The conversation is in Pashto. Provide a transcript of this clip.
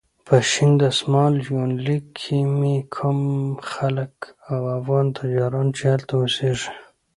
په شین دسمال یونلیک کې چې کوم خلک او افغان تجاران چې هلته اوسېږي.